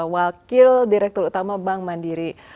wakil direktur utama bank mandiri